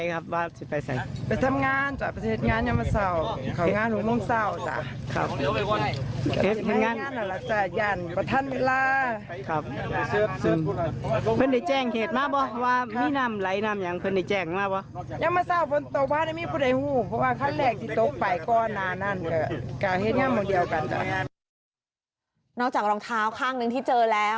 ก็เจอไปสุดขสังรองเท้าข้างหนึ่งที่เจอแล้ว